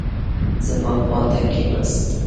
زما خوا ته کښېناست.